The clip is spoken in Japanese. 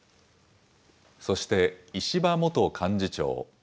そして石破元幹事長。